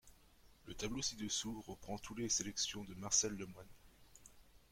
Le tableau ci-dessous reprend toutes les sélections de Marcel Lemoine.